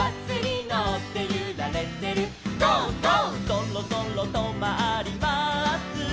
「そろそろとまります」